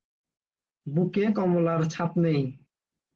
বুকে কমলার ছাপ নেই।